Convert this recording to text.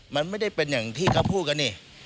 มันไม่ได้เป็นอย่างที่เขาพูดกันนี่